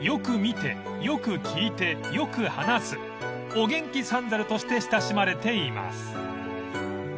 ［お元気三猿として親しまれています］